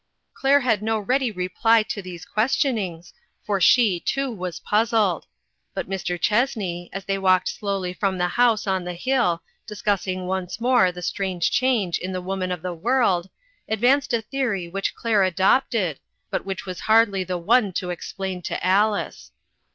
Claire had no ready reply to these ques THE SUMMER'S STORY. 417 tionings, for she, too, was puzzled. But Mr. Chessney, as they walked slowly down from the house on the hill, discussing once more the strange change in the woman of the world, advanced a theory which Claire adopted, but which was hardly the one to explain to Alice.